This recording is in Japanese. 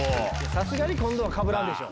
さすがに今度はかぶらんでしょ。